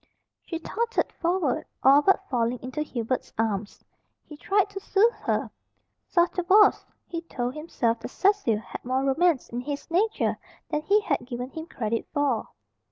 She tottered forward, all but falling into Hubert's arms. He tried to soothe her. Sotto voce he told himself that Cecil had more romance in his nature than he had given him credit for.